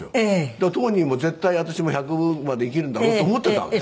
だから当人も絶対私も１００まで生きるんだろうと思ってたわけ。